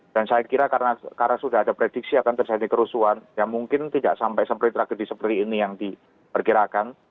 dan saya kira karena sudah ada prediksi akan tersedia kerusuhan ya mungkin tidak sampai seperti tragedi seperti ini yang diperkirakan